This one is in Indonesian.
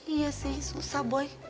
iya sih susah boy